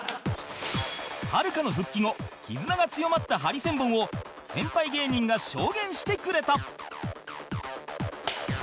はるかの復帰後絆が強まったハリセンボンを先輩芸人が証言してくれた